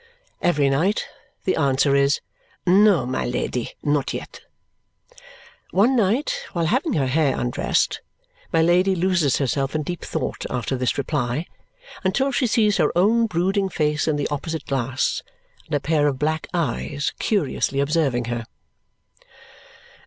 Every night the answer is, "No, my Lady, not yet." One night, while having her hair undressed, my Lady loses herself in deep thought after this reply until she sees her own brooding face in the opposite glass, and a pair of black eyes curiously observing her.